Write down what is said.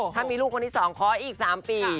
ถ้ามีลูกคนที่๒ขออีก๓ปี